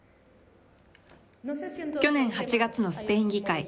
去年８月のスペイン議会。